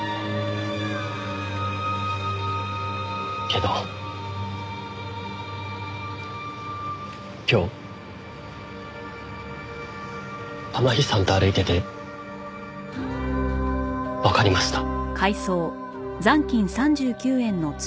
けど今日天樹さんと歩いててわかりました。